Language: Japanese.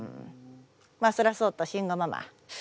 まあそれはそうと慎吾ママ。